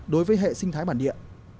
đối với hệ sinh thái bản địa